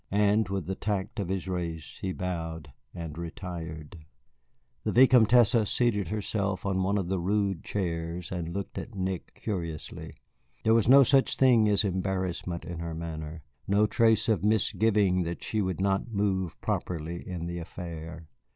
And, with the tact of his race, he bowed and retired. The Vicomtesse seated herself on one of the rude chairs, and looked at Nick curiously. There was no such thing as embarrassment in her manner, no trace of misgiving that she would not move properly in the affair.